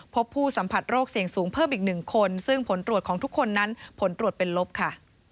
พบผู้สัมผัสโรคเสี่ยงสูงเพิ่มอีก๑คนซึ่งผลตรวจของทุกคนนั้นผลตรวจเป็นลบค่ะ